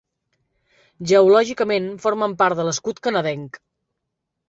Geològicament formen part de l'escut canadenc.